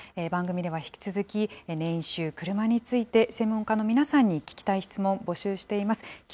番組では引き続き、年収、クルマについて、専門家の皆さんに聞きたい質問、募集しています。